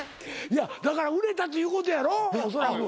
いやだから売れたということやろおそらく。